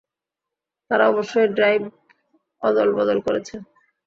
তারা অবশ্যই ড্রাইভ অদলবদল করেছে।